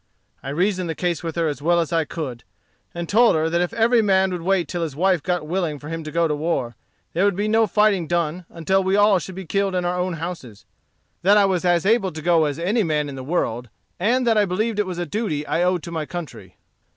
I reasoned the case with her as well as I could, and told her that if every man would wait till his wife got willing for him to go to war, there would be no fighting done until we all should be killed in our own houses; that as I was as able to go as any man in the world, and that I believed it was a duty I owed to my country.